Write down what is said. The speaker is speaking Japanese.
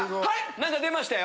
何か出ましたよ。